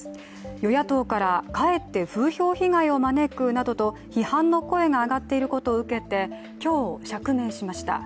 与野党からかえって風評被害を招くなどと批判の声が上がっていることを受けて今日、釈明しました。